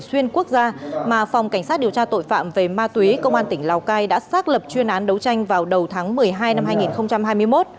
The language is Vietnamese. xuyên quốc gia mà phòng cảnh sát điều tra tội phạm về ma túy công an tỉnh lào cai đã xác lập chuyên án đấu tranh vào đầu tháng một mươi hai năm hai nghìn hai mươi một